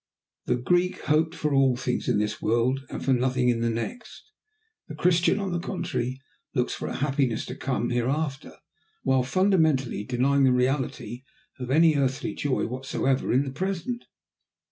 The Greek hoped for all things in this world and for nothing in the next; the Christian, on the contrary, looks for a happiness to come hereafter, while fundamentally denying the reality of any earthly joy whatsoever in the present.